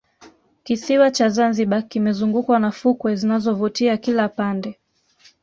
kisiwa cha zanzibar kimezungukwa na fukwe zinazovutia kila pande